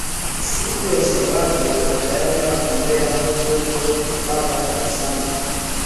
Siku ya sabato bataenda ombea mtoto wa kaka kukanisa